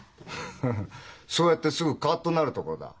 フフッそうやってすぐカッとなるところだ。